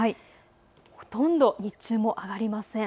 ほとんど日中も上がりません。